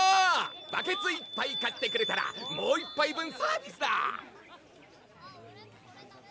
バケツ１杯買ってくれたらもう１杯分サービスだ！